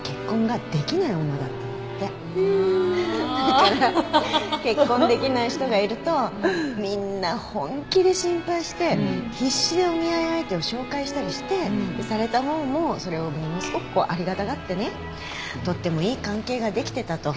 だから結婚できない人がいるとみんな本気で心配して必死でお見合い相手を紹介したりしてされた方もそれをものすごくありがたがってねとってもいい関係ができてたと。